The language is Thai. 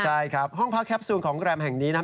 ใช่ครับห้องพักแคปซูนของโรงแรมแห่งนี้นะ